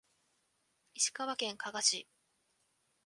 石川県加賀市